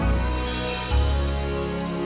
kamu kurang belum pulang